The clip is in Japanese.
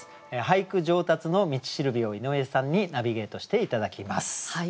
俳句上達の道しるべを井上さんにナビゲートして頂きます。